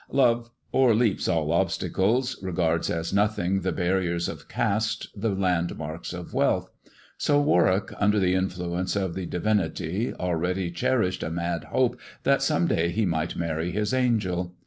Love overleaps all obstacles, regards as nothing the bar riers of caste, the landmarks of wealth ; so Warwick, under the influence of the divinity, already cherished a mad hope that some day he might marry his angel.